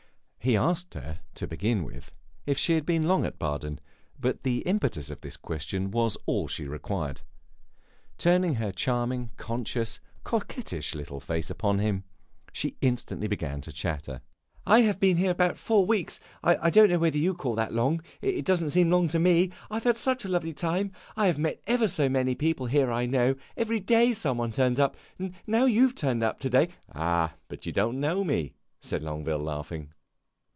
He asked her, to begin with, if she had been long at Baden, but the impetus of this question was all she required. Turning her charming, conscious, coquettish little face upon him, she instantly began to chatter. "I have been here about four weeks. I don't know whether you call that long. It does n't seem long to me; I have had such a lovely time. I have met ever so many people here I know every day some one turns up. Now you have turned up to day." "Ah, but you don't know me," said Longueville, laughing.